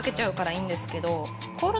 いいんですけど。